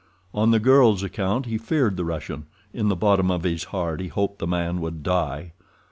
On the girl's account he feared the Russian—in the bottom of his heart he hoped the man would die.